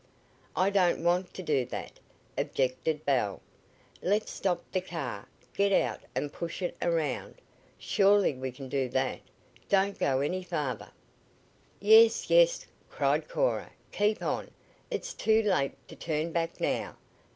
"I don't want to do that!" objected Belle. "Let's stop the car, get out, and push it around. Surely we can do that. Don't go any farther." "Yes, yes!" cried Cora. "Keep on. It's too late to turn back now.